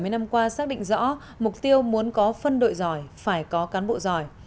bảy mươi năm qua xác định rõ mục tiêu muốn có phân đội giỏi phải có cán bộ giỏi